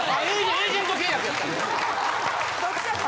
エージェント契約やったかな？